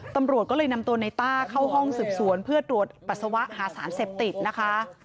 ตำรวจก็เลยนำตัวในต้าเข้าห้องสืบสวนเพื่อตรวจปัสสาวะหาสารเสพติดนะคะ